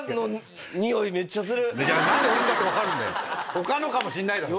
他のかもしれないだろ。